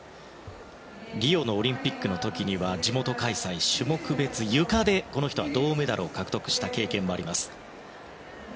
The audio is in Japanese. リオオリンピックの時には地元開催種目別のゆかでこの人は銅メダルを獲得した経験もあります。